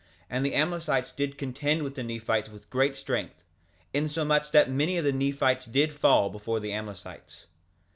And the Amlicites did contend with the Nephites with great strength, insomuch that many of the Nephites did fall before the Amlicites.